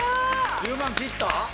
１０万切った？